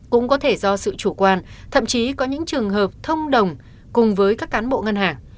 cũng có thể do sự chủ quan thậm chí có những trường hợp thông đồng cùng với các cán bộ ngân hàng